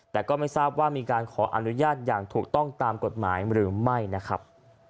แต่ก็ไม่ทราบว่ามีการขออนุญาตอย่างถูกต้องตามกฎหมายหรือไม่นะครับ